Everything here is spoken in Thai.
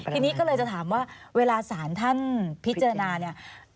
ทีนี้ก็เลยจะถามว่าเวลาสารท่านพิจารณาเนี่ย